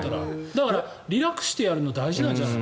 だから、リラックスしてやるの大事なんじゃない。